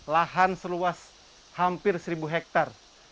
lahan seluas hampir seribu hektare